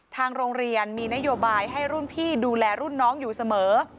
ทางโรงเรียนมีนโยบายให้รุ่นพี่ดูแลรุ่นน้องอยู่เสมอ